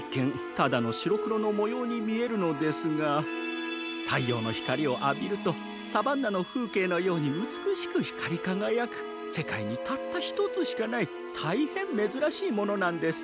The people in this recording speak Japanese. ただのしろくろのもようにみえるのですがたいようのひかりをあびるとサバンナのふうけいのようにうつくしくひかりかがやくせかいにたったひとつしかないたいへんめずらしいものなんです。